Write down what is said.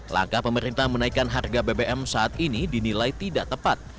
langkah pemerintah menaikkan harga bbm saat ini dinilai tidak tepat